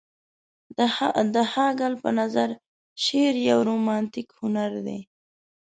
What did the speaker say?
د هګل په نظر شعر يو رومانتيک هنر دى.